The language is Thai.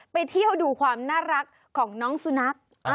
ไปเที่ยวดูความน่ารักของน้องสุนัข